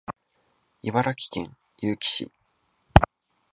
茨城県結城市